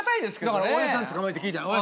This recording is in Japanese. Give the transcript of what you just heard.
だからおやじさん捕まえて聞いたの。